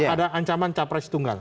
ada ancaman capres tunggal